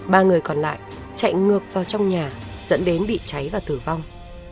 ba người còn lại chạy ngược vào trong nhà dẫn đến bị cháy và tử vong